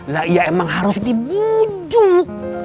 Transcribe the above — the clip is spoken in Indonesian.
nah iya emang harus dibujuk